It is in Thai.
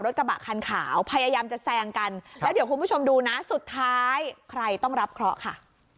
กระบะคันขาวพยายามจะแซงกันแล้วเดี๋ยวคุณผู้ชมดูนะสุดท้ายใครต้องรับเคราะห์ค่ะ